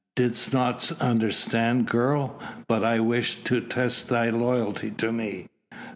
"Didst not understand, girl, that I but wished to test thy loyalty to me?